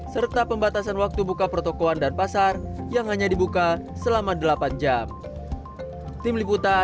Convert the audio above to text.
serta pembatasan waktu buka pertokohan dan pasar yang hanya dibuka selama delapan jam